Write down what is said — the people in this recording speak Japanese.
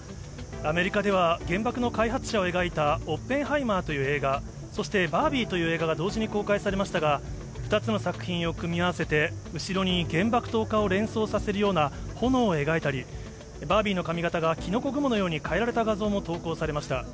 アメリカでは、原爆の開発者を描いたオッペンハイマーという映画、そしてバービーという映画が同時に公開されましたが、２つの作品を組み合わせて、後ろに原爆投下を連想させるような炎を描いたり、バービーの髪形がキノコ雲のように変えられた画像も投稿されました。